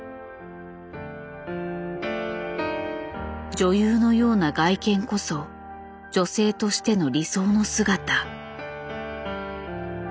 女優のような外見こそ女性としての理想の姿。